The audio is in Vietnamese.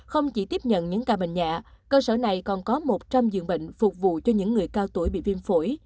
không chỉ tiếp nhận những ca bệnh nhẹ cơ sở này còn có một trăm linh giường bệnh phục vụ cho những người cao tuổi bị viêm phổi